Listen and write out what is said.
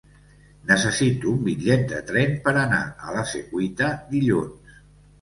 Necessito un bitllet de tren per anar a la Secuita dilluns.